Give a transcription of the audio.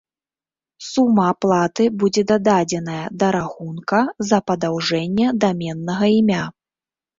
Сума аплаты будзе дададзеная да рахунка за падаўжэнне даменнага імя.